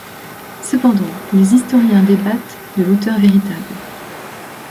Cependant, les historiens débattent de l'auteur véritable.